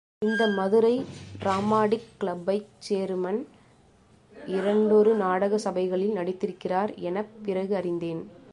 இந்த மதுரை டிராமாடிக் கிளப்பைச் சேருமுன், இரண்டொரு நாடக சபைகளில் நடித்திருக்கிறார் எனப் பிறகு அறிந்தேன்.